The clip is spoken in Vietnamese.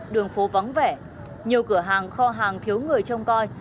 đường phố vắng vẻ nhiều cửa hàng kho hàng thiếu người trông coi